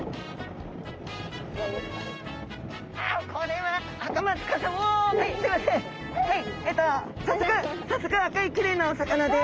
はいえと早速赤いきれいなお魚です。